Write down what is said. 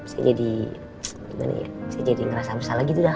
saya jadi gimana ya saya jadi ngerasa bersalah gitu lah